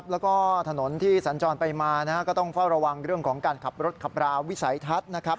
แล้วก็ถนนที่สัญจรไปมาก็ต้องเฝ้าระวังเรื่องของการขับรถขับราวิสัยทัศน์นะครับ